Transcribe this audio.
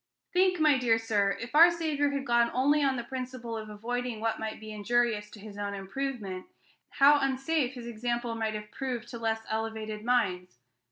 Think, my dear sir, if our Saviour had gone only on the principle of avoiding what might be injurious to his own improvement, how unsafe his example might have proved to less elevated minds.